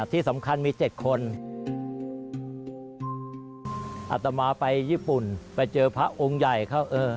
ไปเจอพระองค์ใหญ่เขาเออ